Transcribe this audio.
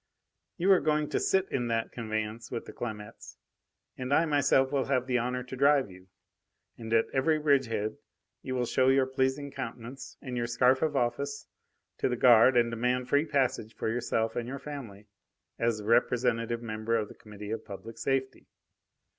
"You are going to sit in that conveyance with the Clamettes, and I myself will have the honour to drive you. And at every bridgehead you will show your pleasing countenance and your scarf of office to the guard and demand free passage for yourself and your family, as a representative member of the Committee of Public Safety.